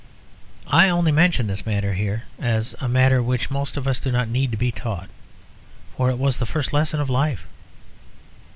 I only mention this matter here as a matter which most of us do not need to be taught; for it was the first lesson of life.